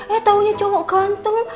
eh taunya cowok ganteng